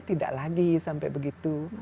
tidak lagi sampai begitu